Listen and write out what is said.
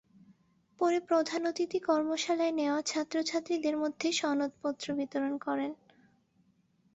পরে প্রধান অতিথি কর্মশালায় নেওয়া ছাত্র ছাত্রীদের মধ্যে সনদপত্র বিতরণ করেন।